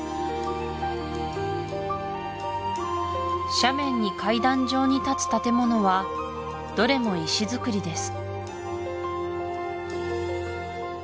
斜面に階段状に立つ建物はどれも石造りです